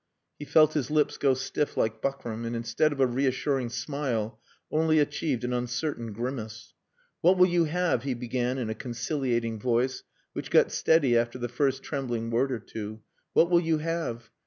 "He felt his lips go stiff like buckram, and instead of a reassuring smile only achieved an uncertain grimace. "What will you have?" he began in a conciliating voice which got steady after the first trembling word or two. "What will you have?